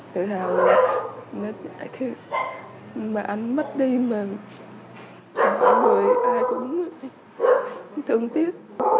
tự hào là nét nhạy khiến mà anh mất đi mà mọi người ai cũng thương tiếc